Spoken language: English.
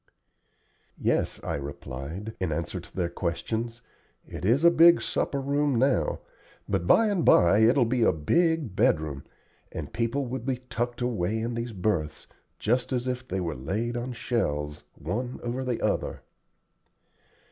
"Yes," I replied, in answer to their questions; "it is a big supper room now, but by and by it will be a big bedroom, and people will be tucked away in these berths, just as if they were laid on shelves, one over the other."